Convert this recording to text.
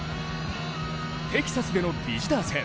テキサスでのビジター戦。